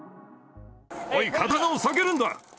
おい、刀を下げるんだ。